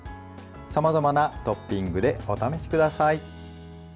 さまざまなトッピングでお試しください。